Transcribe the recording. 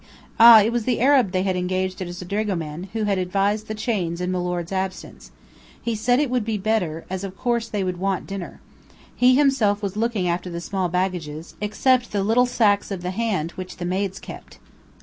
Ah, it was the Arab they had engaged as dragoman, who had advised the change in milord's absence. He said it would be better, as of course they would want dinner. He himself was looking after the small baggages, except the little sacks of the hand which the maids kept.